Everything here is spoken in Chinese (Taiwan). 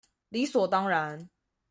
理所當然